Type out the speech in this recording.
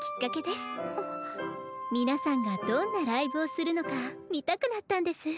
皆さんがどんなライブをするのか見たくなったんです。